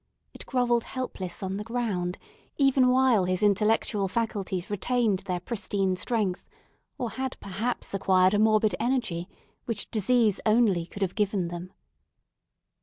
It grovelled helpless on the ground, even while his intellectual faculties retained their pristine strength, or had perhaps acquired a morbid energy, which disease only could have given them.